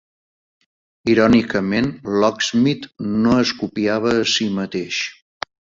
Irònicament, Locksmith no es copiava a si mateix.